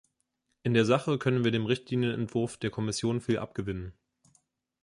In der Sache können wir dem Richtlinienentwurf der Kommission viel abgewinnen.